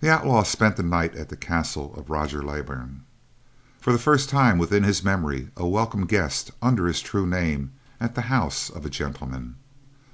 The outlaw spent the night at the castle of Roger Leybourn; for the first time within his memory a welcomed guest under his true name at the house of a gentleman.